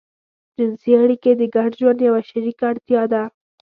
جنسي اړيکې د ګډ ژوند يوه شريکه اړتيا ده.